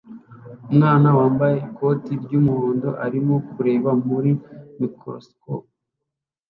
Umwana wambaye ikoti ry'umuhondo arimo kureba muri microscope